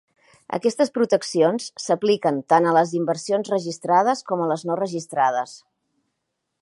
Aquestes proteccions s'apliquen tant a les inversions registrades com a les no registrades.